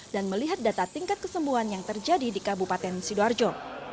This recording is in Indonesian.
dan melihat data tingkat kesembuhan yang terjadi di kabupaten sidoarjo